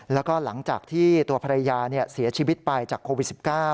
แล้วก็หลังจากที่ตัวภรรยาเสียชีวิตไปจากโควิด๑๙